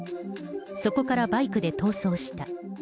そこからバイクで逃走した。